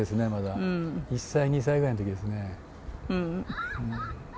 １歳２歳ぐらいの時ですね。